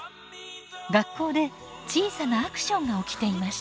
学校で小さなアクションが起きていました。